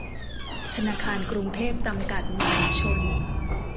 ธนาคารกรุงเทพ จำกัด มหาชน